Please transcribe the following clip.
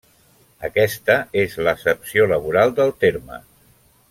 Aquesta és l'accepció laboral del terme.